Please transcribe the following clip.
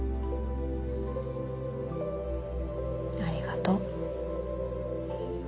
ありがと。